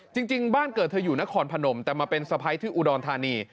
จริงบ้านเกิดเธออยู่นครพนมแต่มาเป็นสะพ้ายที่อุดรธานี